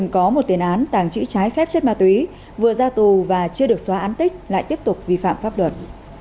chỉ trái phép chất ma túy vừa ra tù và chưa được xóa án tích lại tiếp tục vi phạm pháp luật